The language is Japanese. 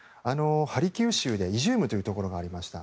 ハルキウ州のイジュームというところがありました。